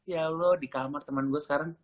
ya allah di kamar temen gue sekarang